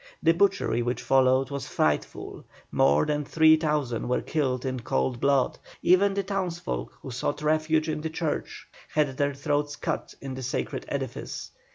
The butchery which followed was frightful, more than 3,000 were killed in cold blood, even the townsfolk who sought refuge in the church had their throats cut in the sacred edifice.